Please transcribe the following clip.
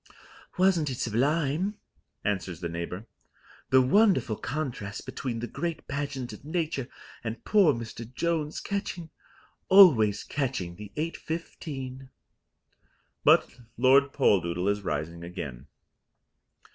"Wasn't it sublime?" answers the neighbour. "The wonderful contrast between the great pageant of nature and poor Mr. Jones, catching always catching the 8.15." But Lord Poldoodle is rising again.